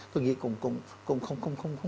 tôi nghĩ cũng không ổn lắm